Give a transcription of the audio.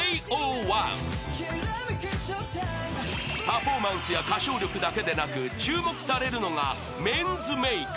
［パフォーマンスや歌唱力だけでなく注目されるのが］